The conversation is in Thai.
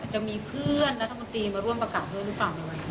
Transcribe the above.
จะมีเพื่อนรัฐมนตรีมาร่วมประกาศด้วยหรือเปล่ายังไง